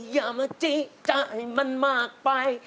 อย่ามาจิใจมันมากไป